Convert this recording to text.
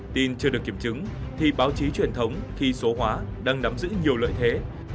tin chưa được kiểm chứng thì báo chí truyền thống khi số hóa đang nắm giữ nhiều lợi thế